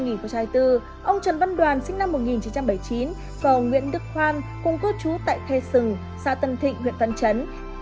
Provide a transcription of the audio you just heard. ông trần văn đoàn sinh năm một nghìn chín trăm bảy mươi chín và ông nguyễn đức khoan cùng cư trú tại thê sừng xã tân thịnh huyện văn chấn